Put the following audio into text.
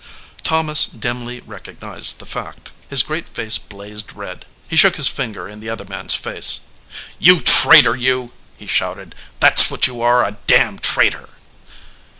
Thomas dimly recognized the fact. His great face blazed red. He shook his finger in the other man s face. "You traitor, you !" he shouted. "That s what you are, a damn traitor!"